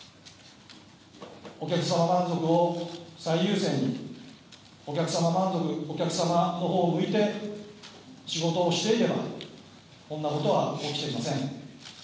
お客様満足を最優先にお客様のほうを向いて仕事をしていればこんなことは起きていません。